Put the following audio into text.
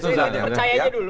percaya aja dulu